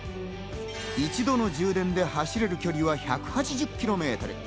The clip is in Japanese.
一度の充電で走れる距離は１８０キロメートル。